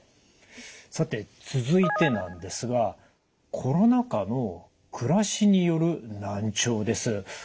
さて続いてなんですがコロナ禍の暮らしによる難聴です。